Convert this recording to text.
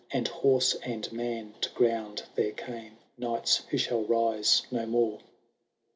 And, horse and man, to ground there came Knights, who shall rise no more